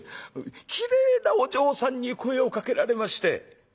きれいなお嬢さんに声をかけられまして」。